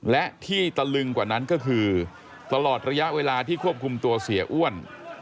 และที่ตะลึงกว่านั้นก็คือตลอดระยะเวลาที่ควบคุมตัวเสียอ้วน